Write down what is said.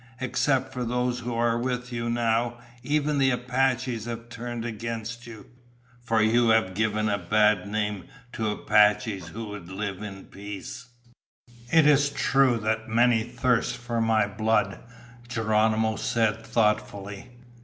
Except for those who are with you now, even the Apaches have turned against you, for you have given a bad name to Apaches who would live at peace." "It is true that many thirst for my blood," Geronimo said thoughtfully.